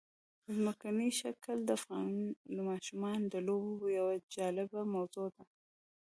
ځمکنی شکل د افغان ماشومانو د لوبو یوه جالبه موضوع ده.